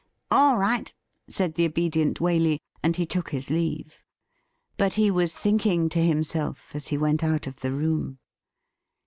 ' All right,' said the obedient Waley ; and he took his leave. But he was thinking to himself as he went out of the room.